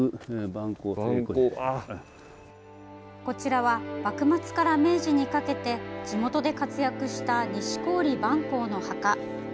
こちらは幕末から明治にかけて地元で活躍した錦織晩香の墓。